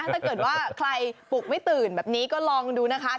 ถ้าเกิดว่าใครปลุกไม่ตื่นแบบนี้ก็ลองดูนะคะ